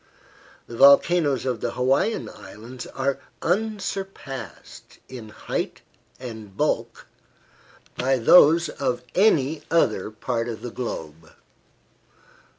The volcanoes of the Hawaiian Islands are unsurpassed in height and bulk by those of any other part of the globe.